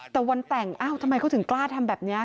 แต่วันแต่งทำไมเขาถึงกล้าทำแบบนี้